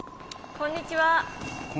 こんにちは。